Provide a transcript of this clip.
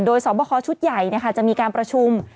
โดยสอบคอชุดใหญ่จะมีการประชุม